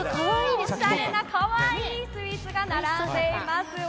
おしゃれで可愛いスイーツが並んでいます。